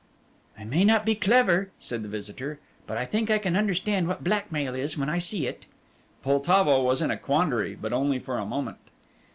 "I may not be very clever," said the visitor, "but I think I can understand what blackmail is when I see it." Poltavo was in a quandary, but only for a moment.